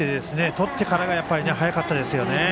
とってからが速かったですね。